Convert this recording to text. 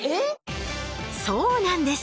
そうなんです！